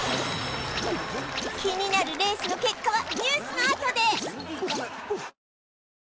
気になるレースの結果はニュースのあとで！